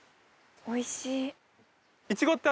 おいしい。